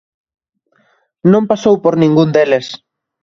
Non pasou por ningún deles.